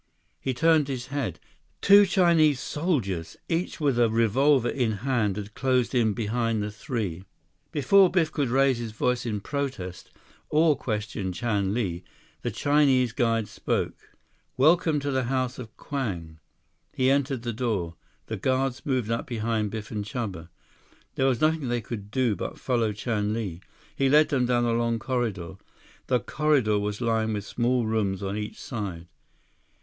He turned his head. Two Chinese soldiers, each with a revolver in hand, had closed in behind the three. Before Biff could raise his voice in protest, or question Chan Li, the Chinese guide spoke. 147 "Welcome to the House of Kwang." He entered the door. The guards moved up behind Biff and Chuba. There was nothing they could do but follow Chan Li. He led them down a long corridor. The corridor was lined with small rooms on each side.